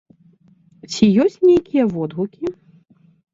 Ці ёсць нейкія водгукі?